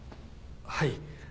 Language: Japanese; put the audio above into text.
はい。